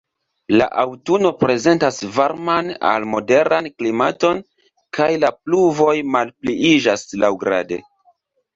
La aŭtuno prezentas varman al moderan klimaton, kaj la pluvoj malpliiĝas laŭgrade.